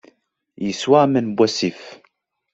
Yeswa aman n wasif.